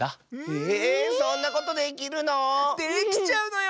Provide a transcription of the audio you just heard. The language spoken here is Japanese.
えそんなことできるの⁉できちゃうのよ。